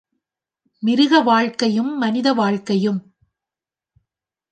மிருக வாழ்க்கையும் மனித வாழ்க்கையும்...